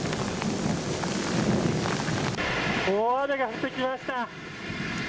大雨が降ってきました。